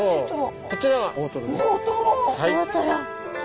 こちらは大トロです。